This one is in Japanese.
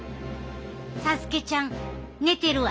佐助ちゃん寝てるわ。